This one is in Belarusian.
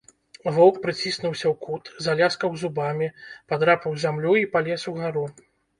Воўк прыціснуўся ў кут, заляскаў зубамі, падрапаў зямлю і палез угару.